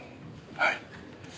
はい。